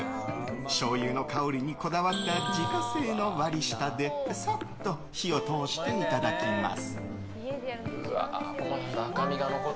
しょうゆの香りにこだわった自家製の割り下でさっと火を通していただきます。